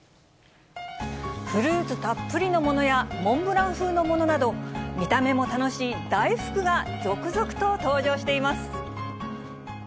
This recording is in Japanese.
フルーツたっぷりのものや、モンブラン風のものなど、見た目も楽しい大福が続々と登場しています。